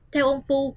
theo ông phu